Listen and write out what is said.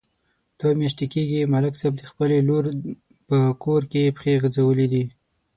دوه میاشتې کېږي، ملک صاحب د خپلې لور په کور کې پښې غځولې دي.